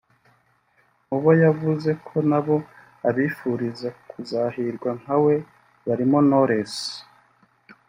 Mu bo yavuze ko na bo abifuriza kuzahirwa nka we barimo Knowless